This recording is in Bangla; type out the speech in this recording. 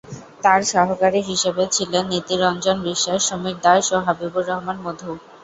তার সহকারী হিসেবে ছিলেন নীতি রঞ্জন বিশ্বাস, সমীর দাস, ও হাবিবুর রহমান মধু।